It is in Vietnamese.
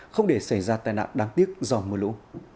không để xảy ra tai nạn đáng tiếc do mưa lũ